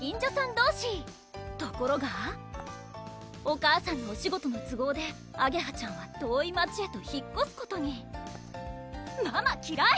どうしところがお母さんのお仕事の都合であげはちゃんは遠い街へと引っこすことに「ママきらい！